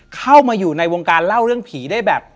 เข้ามาอยู่ในวงการเล่าเรื่องผีได้แบบ